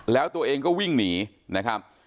แล้วตัวเองก็วิ่งหนีนะครับ